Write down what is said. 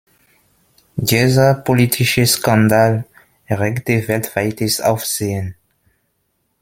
Dieser politische Skandal erregte weltweites Aufsehen.